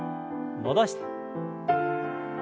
戻して。